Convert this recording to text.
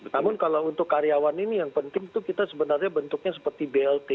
namun kalau untuk karyawan ini yang penting itu kita sebenarnya bentuknya seperti blt